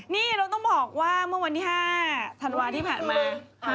นี่เราต้องบอกว่าเมื่อวันที่๕ธันวาที่ผ่านมา